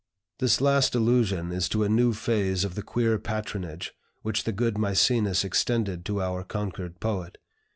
This last allusion is to a new phase of the queer patronage which the good Mæcenas extended to our Concord poet.